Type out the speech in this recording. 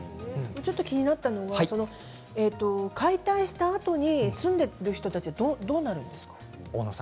気になったのは解体したあとに住んでいた人たちはどうなるんですか？